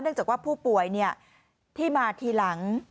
จากว่าผู้ป่วยที่มาทีหลัง